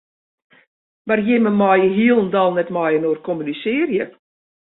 Mar jimme meie hielendal net mei-inoar kommunisearje.